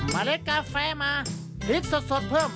เล็ดกาแฟมาพริกสดเพิ่ม